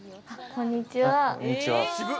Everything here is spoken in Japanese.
こんにちは。